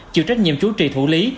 chịu trách nhiệm chú trị thủ lý